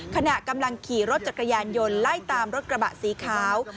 ขณะกำลังขี่รถจักรยานยนต์ไล่ตามรถกระบะสีขาว